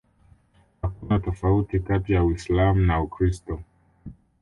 Hakuna tofauti kati ya Uislam na Ukristo